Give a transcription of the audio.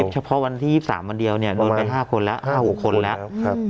เฉพาะวันที่๒๓วันเดียวเนี่ยโดนไป๕คนแล้ว๕๖คนแล้ว